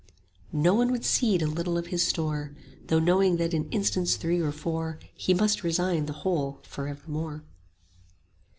No one would cede a little of his store, Though knowing that in instants three or four He must resign the whole for evermore.